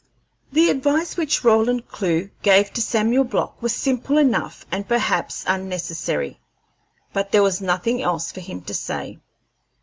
The advice which Roland Clewe gave to Samuel Block was simple enough and perhaps unnecessary, but there was noshing else for him to say.